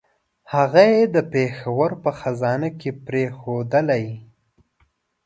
هغه یې د پېښور په خزانه کې پرېښودلې.